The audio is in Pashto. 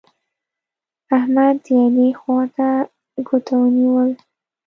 احمد؛ د علي خوا ته ګوته ونيول.